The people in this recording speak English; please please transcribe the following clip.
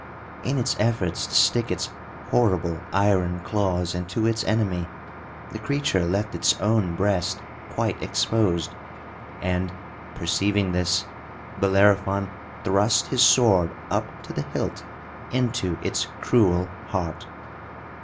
In its efforts to stick its horrible iron claws into its enemy the creature left its own breast quite exposed; and perceiving this, Bellerophon thrust his sword up to the hilt into its cruel heart.